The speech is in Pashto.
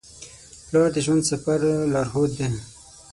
پلار د ژوند د سفر لارښود دی.